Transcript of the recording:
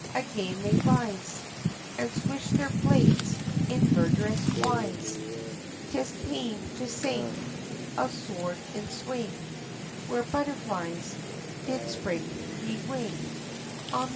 again they rise, And swish their blades, in murderous wise; 'Tis pain, to sing, Of sword, in swing, Where butterflies, did spread ye wing, Ah!